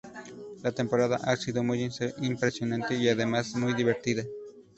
La temporada ha sido muy impresionante, y además muy divertida.